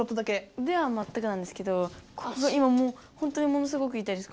うではまったくなんですけど今もう本当にものすごくいたいです